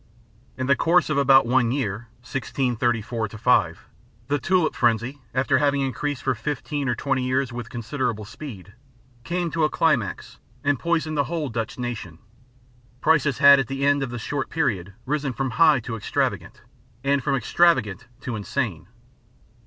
In the course of about one year, 1634 5, the tulip frenzy, after having increased for fifteen or twenty years with considerable speed, came to a climax, and poisoned the whole Dutch nation. Prices had at the end of this short period risen from high to extravagant, and from extravagant to insane.